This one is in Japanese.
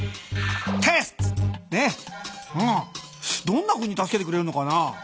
どんなふうに助けてくれるのかな？